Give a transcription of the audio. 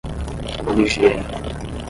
coligirem